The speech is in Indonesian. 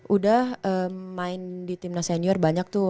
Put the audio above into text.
udah main di timnas senior banyak tuh